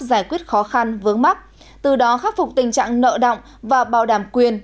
giải quyết khó khăn vướng mắt từ đó khắc phục tình trạng nợ động và bảo đảm quyền